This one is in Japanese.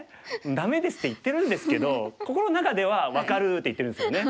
「ダメです」って言ってるんですけど心の中では「分かる！」って言ってるんですよね。